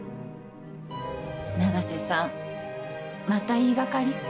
永瀬さんまた言いがかり？